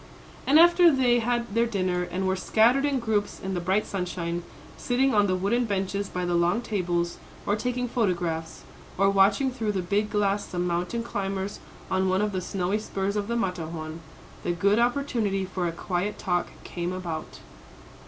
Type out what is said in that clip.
And after they had their dinner, and were scattered in groups in the bright sunshine, sitting on the wooden benches by the long tables, or taking photographs, or watching through the big glass some mountain climbers on one of the snowy spurs of the Matterhorn, "the good opportunity for a quiet talk" came about.